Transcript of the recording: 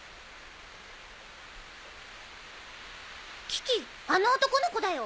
キキあの男の子だよ